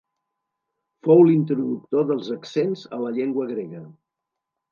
Fou l'introductor dels accents a la llengua grega.